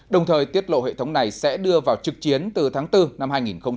đồng thời tiết lộ hệ thống này sẽ đưa vào trực chiến từ tháng bốn năm hai nghìn hai mươi